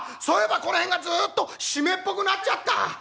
「そういえばこの辺がずっと湿っぽくなっちゃった」。